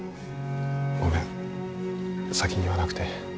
ごめん先に言わなくて。